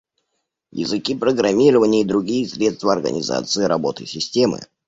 Языки программирования и другие средства организации работы системы